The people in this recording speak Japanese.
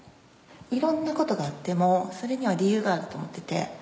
いろんなことがあってもそれには理由があると思ってて。